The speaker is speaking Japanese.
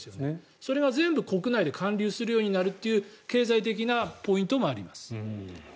それが全部国内で還流するようになるという経済的なポイントもあります。